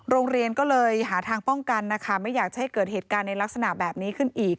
โรงเรียนก็เลยหาทางป้องกันนะคะไม่อยากจะให้เกิดเหตุการณ์ในลักษณะแบบนี้ขึ้นอีก